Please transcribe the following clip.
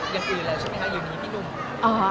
อย่างอื่นแล้วใช่ไหมคะอยู่นี้พี่หนุ่ม